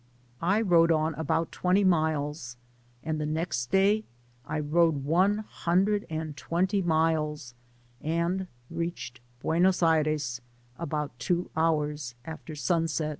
I rode on about twenty miles, and the next day I rode one hundred and twenty miles, and reached Buenos Aires about two hours after sunset.